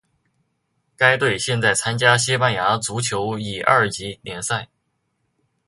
该队现在参加西班牙足球乙二级联赛。